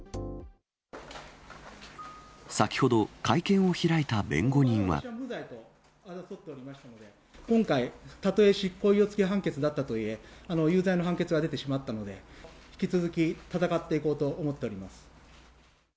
先ほど、今回、たとえ執行猶予付き判決だったとはいえ、有罪の判決が出てしまったので、引き続き戦っていこうと思っています。